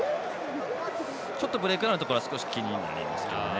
ちょっとブレークのところ気になりますけどね。